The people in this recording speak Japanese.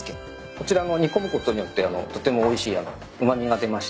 こちら煮込むことによってとてもおいしいうま味が出まして。